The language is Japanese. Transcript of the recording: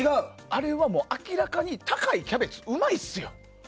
あれはもう明らかに高いキャベツうまいっすよ。